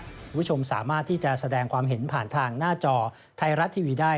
คุณผู้ชมสามารถที่จะแสดงความเห็นผ่านทางหน้าจอไทยรัฐทีวีได้